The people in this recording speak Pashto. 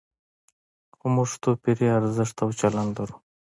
خو موږ توپیري ارزښت او چلند لرو.